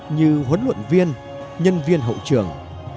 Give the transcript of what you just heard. như huấn luyện viên nhân viên hậu trường